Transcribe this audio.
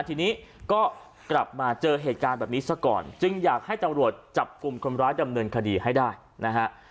ทีนี้ก็กลับมาเจอเหตุการณ์แบบนี้ซะก่อนจึงอยากให้ตำรวจจับกลุ่มคนร้ายดำเนินคดีให้ได้นะฮะ